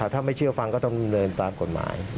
ถ้าไม่เชื่อฟังก็ต้องดำเนินตามกฎหมาย